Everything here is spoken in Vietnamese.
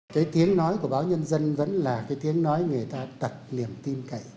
cái tiếng nói của báo nhân dân vẫn là cái tiếng nói người ta tật niềm tin cậy